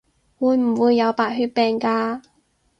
會唔會有白血病㗎？